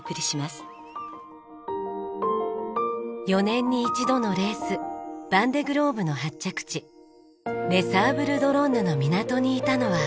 ４年に一度のレースヴァンデ・グローブの発着地レ・サーブル・ドロンヌの港にいたのは。